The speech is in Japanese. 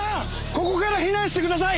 ここから避難してください！